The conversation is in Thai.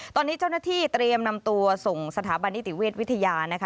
ตอนนี้เจ้าหน้าที่เตรียมนำตัวส่งสถาบันนิติเวชวิทยานะคะ